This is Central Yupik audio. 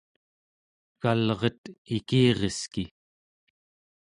egalret ikireski!